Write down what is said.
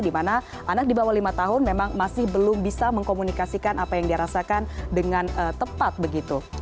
di mana anak di bawah lima tahun memang masih belum bisa mengkomunikasikan apa yang dirasakan dengan tepat begitu